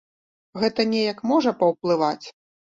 Гэта неяк можа паўплываць?